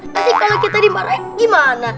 nanti kalau kita dimarahin gimana